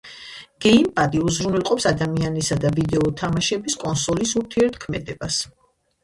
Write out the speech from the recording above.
გეიმპადი უზრუნველყოფს ადამიანისა და ვიდეო თამაშების კონსოლის ურთიერთქმედებას.